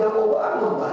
yang diatur pak